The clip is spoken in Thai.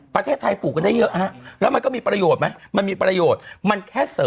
ประเทศไทยปลูกได้เยอะแล้วมันก็มีประโยชน์ไหมมันมีประโยชน์